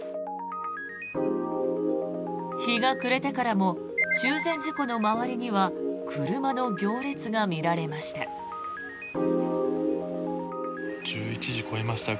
日が暮れてからも中禅寺湖の周りには車の行列が見られました。